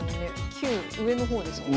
級上の方ですもんね。